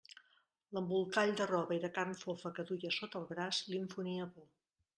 L'embolcall de roba i de carn fofa que duia sota el braç li infonia por.